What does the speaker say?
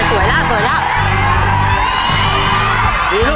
ค่อยสวยแล้ว